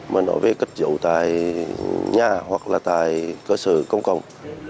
mà nói về cất giấu tại nhà hoặc là tại cơ sở công cộng